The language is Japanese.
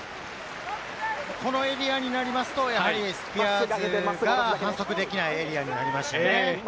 このエリアになりますと、スピアーズが反則できないエリアになりますしね。